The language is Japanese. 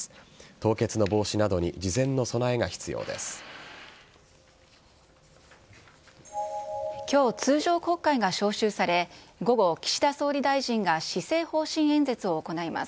凍結の防止などに事前の備えが必要です。